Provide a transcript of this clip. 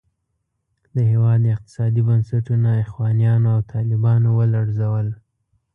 د هېواد اقتصادي بنسټونه اخوانیانو او طالبانو ولړزول.